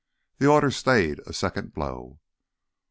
The order stayed a second blow.